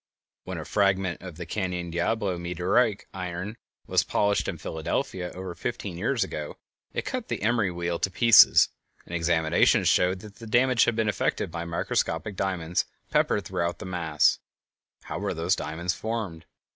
When a fragment of the Canyon Diablo meteoric iron was polished in Philadelphia over fifteen years ago it cut the emery wheel to pieces, and examination showed that the damage had been effected by microscopic diamonds peppered through the mass. How were those diamonds formed?